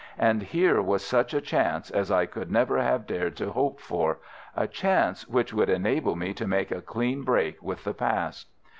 And here was such a chance as I could never have dared to hope for, a chance which would enable me to make a clean break with the past.